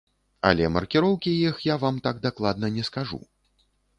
Але маркіроўкі іх я вам так дакладна не скажу.